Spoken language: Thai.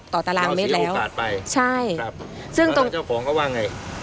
ต่อตารางเมตรแล้วใช่ครับซึ่งตรงเขาว่าไง